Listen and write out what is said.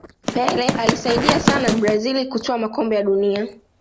pele aliisaidia sana brazil kutwaa makombe ya dunia